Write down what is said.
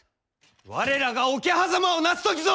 我らが桶狭間をなす時ぞ！